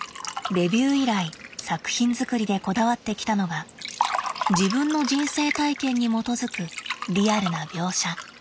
デビュー以来作品作りでこだわってきたのが自分の人生体験に基づくリアルな描写。